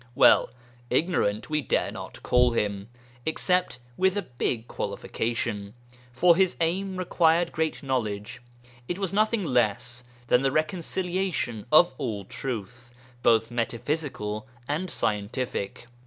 Well, ignorant we dare not call him, except with a big qualification, for his aim required great knowledge; it was nothing less than the reconciliation of all truth, both metaphysical and scientific.